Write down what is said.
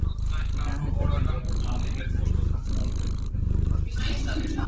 Նրա հետ բեմում եղել են մեկ դաշնակահար և երկու բեք վոկալիստ։